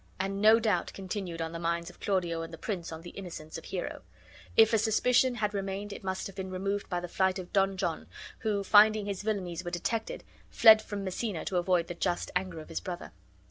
and no doubt continued on the minds of Claudio and the prince of the innocence of Hero. If a suspicion had remained it must have been removed by the flight of Don John, who, finding his villainies were detected, fled from Messina to avoid the just anger of his brother.